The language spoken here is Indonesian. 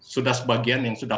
sudah sebagian yang sudah